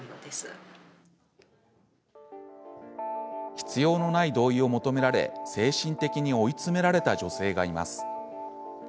必要のない同意を求められ精神的に追い詰められた女性がいます。